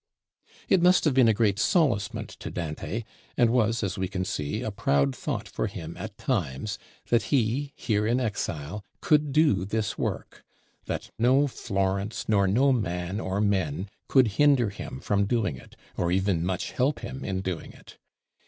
It must have been a great solacement to Dante, and was, as we can see, a proud thought for him at times, that he, here in exile, could do this work; that no Florence, nor no man or men, could hinder him from doing it, or even much help him in doing it.